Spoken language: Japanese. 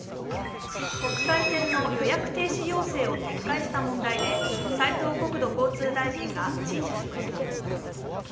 国際線の予約停止要請を撤回した問題で斉藤国土交通大臣が陳謝しました。